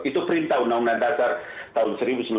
itu perintah undang undang dasar tahun seribu sembilan ratus empat puluh